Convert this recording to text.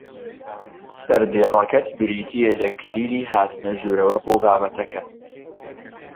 سەردێڕەکەت بریتییە لە کلیلی هاتنە ژوورەوە بۆ بابەتەکە